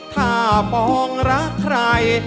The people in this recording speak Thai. ถ้ามองรักใคร